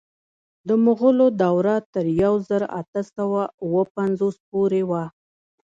د مغولو دوره تر یو زر اته سوه اوه پنځوس پورې وه.